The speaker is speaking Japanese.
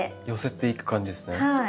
寄せていく感じですね。